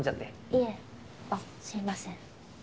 いえあっすいません。